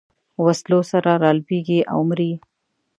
وسلو سره رالویېږي او مري.